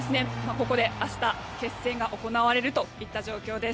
ここで明日、決選が行われるといった状況です。